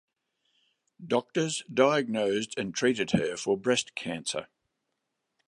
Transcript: Doctors diagnosed and treated her for breast cancer.